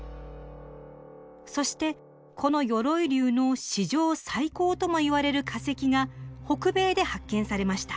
そしてこの鎧竜の史上最高ともいわれる化石が北米で発見されました。